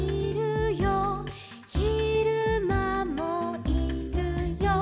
「ひるまもいるよ」